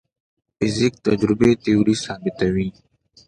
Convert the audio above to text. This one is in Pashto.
د فزیک تجربې تیوري ثابتوي.